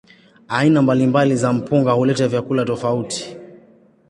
Aina mbalimbali za mpunga huleta vyakula tofauti.